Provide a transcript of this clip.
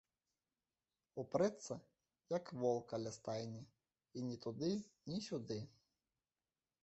Упрэцца, як вол каля стайні, і ні туды, ні сюды.